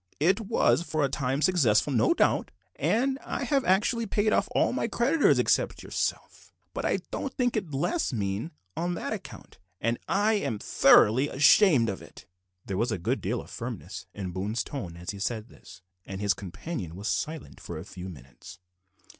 It was for a time successful no doubt, and I have actually paid off all my creditors except yourself, but I don't think it the less mean on that account, and I'm thoroughly ashamed of it." There was a good deal of firmness in Boone's tone as he said this, and his companion was silent for a few minutes.